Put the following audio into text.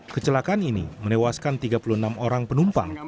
kecelakaan ini menewaskan tiga puluh enam orang penumpang